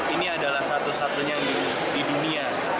ini adalah satu satunya di dunia